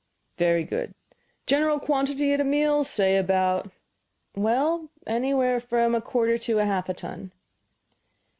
"Very good. General quantity at a meal say about " "Well, anywhere from a quarter to half a ton."